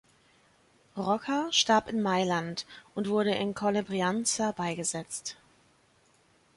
Rocca starb in Mailand und wurde in Colle Brianza beigesetzt.